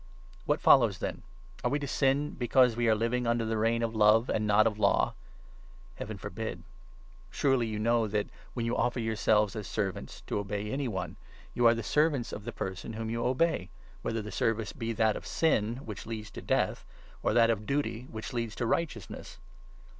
What follows, then ? Are we to sin because we are living 15 under the reign of Love and not of Law ? Heaven forbid ! Surely you know that, when you offer yourselves as servants, 16 to obey any one, you are the servants of the person whom you obey, whether the service be that of Sin which leads to Death, or that of Duty which leads to Righteousness.